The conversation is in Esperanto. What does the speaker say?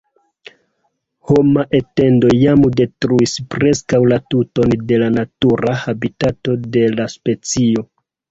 Homa etendo jam detruis preskaŭ la tuton de la natura habitato de la specio.